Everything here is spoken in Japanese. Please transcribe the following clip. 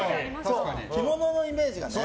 着物のイメージがね。